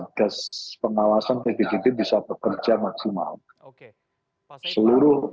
dapatkan murikan kemudian akan dianggap halnya ledah